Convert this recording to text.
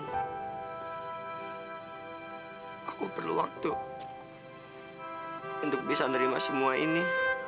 ayang aku perlu waktu untuk bisa nerima semua ini